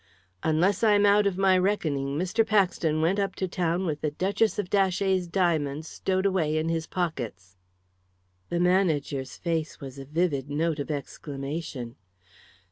"Unless I'm out of my reckoning, Mr. Paxton went up to town with the Duchess of Datchet's diamonds stowed away in his pockets." The manager's face was a vivid note of exclamation.